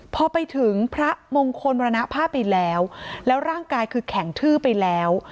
พอไปถึงพระมงคลมรณภาพไปแล้วแล้วร่างกายคือแข็งทื้อไปแล้ว